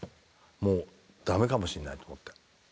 もう駄目かもしれないと思って。